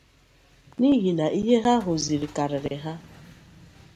n'ihi na ihe ha hụzịrị karịrị ha